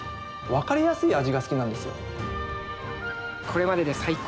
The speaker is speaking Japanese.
分かりやすい味が好きなんですよ。